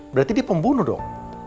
berarti dia pembunuh dong